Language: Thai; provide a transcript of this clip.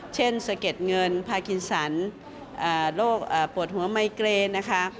เช่นเสร็จเงินภาคินสรรค์โรคปวดหัวไมเกรนนะคะ